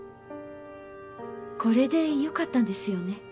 これでよかったんですよね？